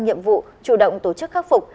nhiệm vụ chủ động tổ chức khắc phục